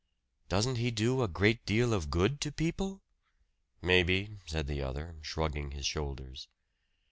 "Doesn't he do a great deal of good to people?" "Maybe," said the other, shrugging his shoulders.